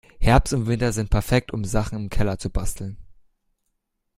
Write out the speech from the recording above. Herbst und Winter sind perfekt, um Sachen im Keller zu basteln.